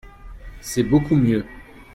C’est beaucoup mieux.